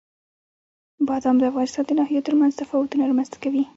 بادام د افغانستان د ناحیو ترمنځ تفاوتونه رامنځته کوي.